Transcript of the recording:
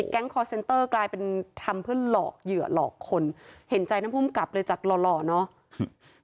คอร์เซ็นเตอร์กลายเป็นทำเพื่อหลอกเหยื่อหลอกคนเห็นใจท่านภูมิกับเลยจากหล่อหล่อเนาะ